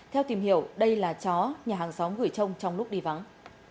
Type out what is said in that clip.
theo tìm hiểu đây là chó nhà hàng xóm gửi trông trong lúc đi vắng